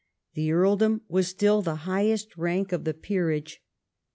The earldom was still the highest rank of the peerage.